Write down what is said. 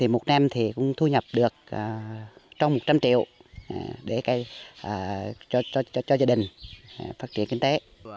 một năm thì cũng thu nhập được trong một trăm linh triệu để cho gia đình phát triển kinh tế